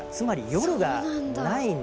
夜がない。